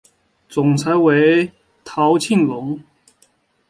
总裁为陶庆荣。